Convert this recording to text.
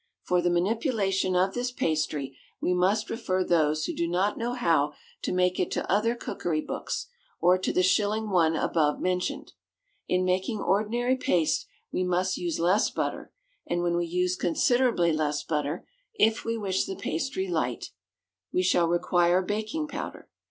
For the manipulation of this pastry we must refer those who do not know how to make it to other cookery books, or to the shilling one above mentioned. In making ordinary paste we must use less butter; and when we use considerably less butter, if we wish the pastry light, we shall require baking powder.